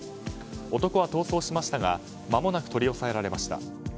男は逃走しましたがまもなく取り押さえられました。